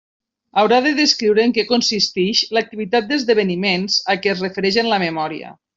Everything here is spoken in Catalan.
Haurà de descriure en què consistix l'activitat «d'esdeveniments» a què es referix en la memòria.